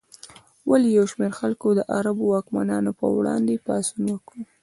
ولې یو شمېر خلکو د عربو واکمنانو پر وړاندې پاڅون وکړ؟